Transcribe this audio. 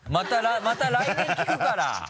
また来年聞くから！